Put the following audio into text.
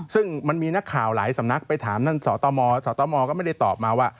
ซึ่งมันมีนักข่าวหลายสำนักไปถามท่านสตมสตมก็ไม่ได้ตอบมาว่า